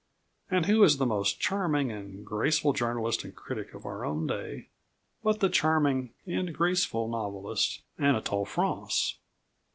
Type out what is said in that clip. And who is the most charming and graceful journalist and critic of our own day but the charming and graceful novelist, Anatole France?